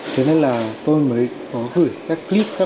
thế nên là tôi mới có gửi các clip này cho các bạn